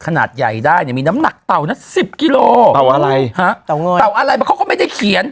ขนาดใหญ่ได้เนี่ยมีน้ำหนักเตานัก๑๐กิโลเตาอะไรเตาอะไรเขาก็ไม่ได้เขียน